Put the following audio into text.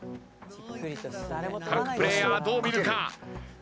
各プレーヤーどう見るか？